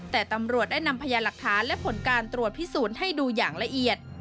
แต่ตำรวจได้นำพยานหลักฐานและผลการตรวจพิสูจน์ให้ดูอย่างละเอียด